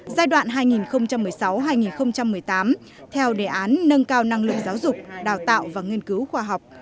giai đoạn hai nghìn một mươi sáu hai nghìn một mươi tám theo đề án nâng cao năng lực giáo dục đào tạo và nghiên cứu khoa học